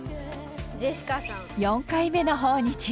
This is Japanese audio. ４回目の訪日。